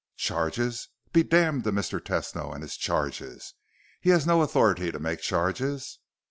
"Charges? Be damned to Mr. Tesno and his charges! He has no authority to make charges!"